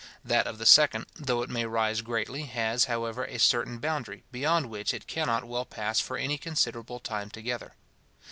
That of the second, though it may rise greatly, has, however, a certain boundary, beyond which it cannot well pass for any considerable time together.